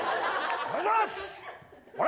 お願いします！